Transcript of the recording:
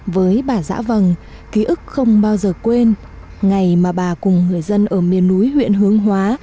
với bà giã vầng ký ức không bao giờ quên ngày mà bà cùng người dân ở miền núi huyện hướng hóa